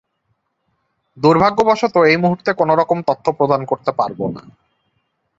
দূর্ভাগ্যবশত, এই মূহুর্তে কোনোরকম তথ্য প্রদান করতে পারবো না।